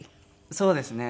そうですね。